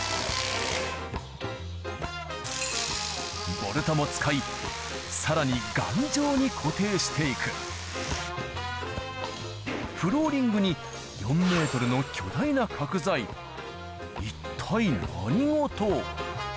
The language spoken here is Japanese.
ボルトも使いさらに頑丈に固定して行くフローリングに４ｍの巨大な角材一体何事？